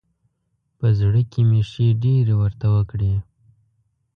په زړه کې مې ښې ډېرې ورته وکړې.